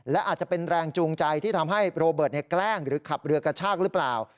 และอาจจะเป็นแรงจูงใจที่ทำให้โรเบิร์ตแกล้งหรือขับเรือกระชากหรือเปล่า